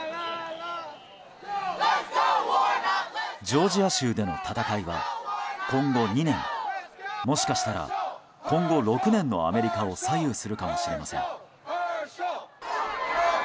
ジョージア州での戦いは今後２年もしかしたら今後６年のアメリカを左右するかもしれません。